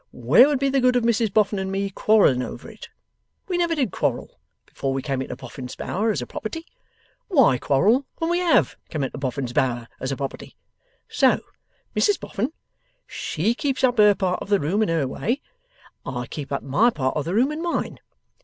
Where would be the good of Mrs Boffin and me quarrelling over it? We never did quarrel, before we come into Boffin's Bower as a property; why quarrel when we HAVE come into Boffin's Bower as a property? So Mrs Boffin, she keeps up her part of the room, in her way; I keep up my part of the room in mine.